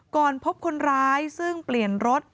ก่อนพบคนร้ายซึ่งเปลี่ยนรถ